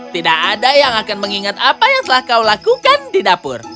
tidak ada yang akan mengingat apa yang telah kau lakukan di dapur